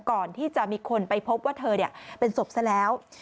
ก่อนที่จะมีคนไปพบว่าเธอเป็นศพซะแล้ว